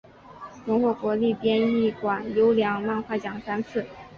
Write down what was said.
荣获国立编译馆优良漫画奖三次。